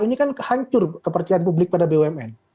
ini kan hancur kepercayaan publik pada bumn